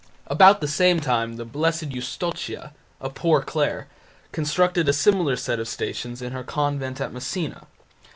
About the same time the Blessed Eustochia, a poor Clare, constructed a similar set of Stations in her convent at Messina.